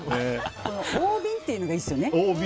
大瓶というのがいいですよね。